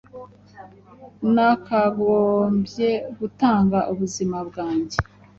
Nakagombye gutanga ubuzima bwanjye